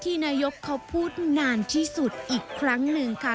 นายกเขาพูดนานที่สุดอีกครั้งหนึ่งค่ะ